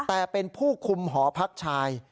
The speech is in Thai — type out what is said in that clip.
แต่เป็นผู้คุมหอพักชาย